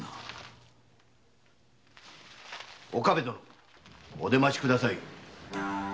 岡部殿お出ましください。